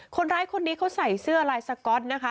คนร้ายคนนี้เขาใส่เสื้อลายสก๊อตนะคะ